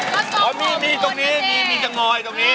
แล้วส่งผมคุณนี่สิอ๋อมีมีจังหลอยนี่